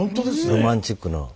ロマンチックな。